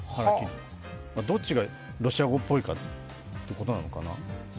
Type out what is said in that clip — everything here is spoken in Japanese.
どっちがロシア語っぽいかということなのかな。